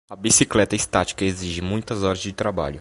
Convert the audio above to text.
A bicicleta estática exige muitas horas de trabalho.